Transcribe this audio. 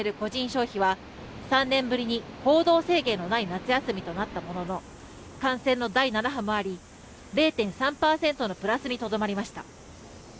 消費は３年ぶりに行動制限のない夏休みとなったものの感染の第７波もあり０．３％のプラスにとどまりました。